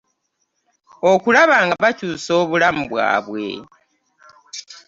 Okulaba nga bakyusa obulamu bwabwe